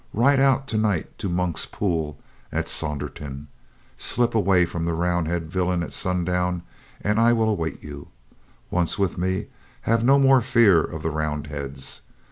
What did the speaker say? Ride out to night to the Monk's pool at Saunderton. Slip away from the Roundhead villains at sundov/n and I will TOMPKINS SNAPS AT A SHADOW 91 await you. Once with me, have no more fear of the Roundheads.